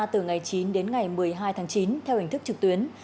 từ ngày chín đến ngày một mươi hai tháng chín theo hình thức trực tuyến